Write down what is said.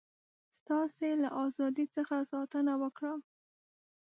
ستاسي له ازادی څخه ساتنه وکړم.